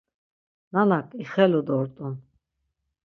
Nanak ixelu dort̆un.